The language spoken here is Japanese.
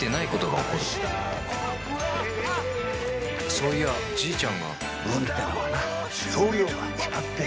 そういやじいちゃんが運ってのはな量が決まってるんだよ。